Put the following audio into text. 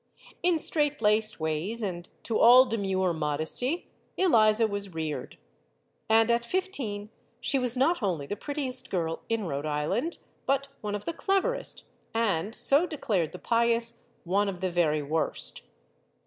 In strait laced ways and to all demure modesty, Eliza was reared. And at fifteen she was not only the prettiest girl in Rhode Island, but one of the cleverest and so declared the pious one of the very worst.